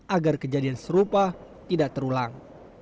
agar kejadian serupa tidak terulang